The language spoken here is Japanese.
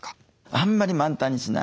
あんまり満タンにしない。